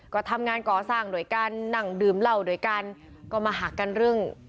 ก็ทำงานกอสั่งโดยการนั่งดื่มเหล้าโดยการก็มาหักกันรึ่ง